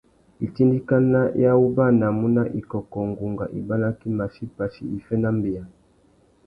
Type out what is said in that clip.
Itindikana i awubanamú na ikôkô, ngunga, ibanakí, machí, pachí, iffê na mbeya.